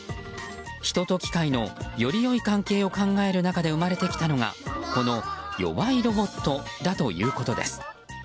人と機械の、より良い関係を考える中で生まれてきたのがこの弱いロボットだということです。